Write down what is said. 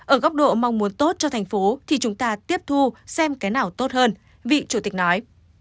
ở góc độ mong muốn tốt cho thành phố thì chúng ta tiếp thu xem cái nào tốt hơn vị chủ tịch nói